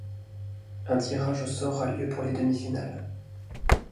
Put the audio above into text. Un tirage au sort a lieu pour les demi-finales.